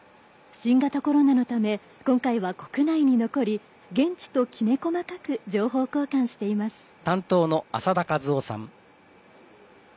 新型コロナのため今回は国内に残り現地ときめ細かく情報交換しています。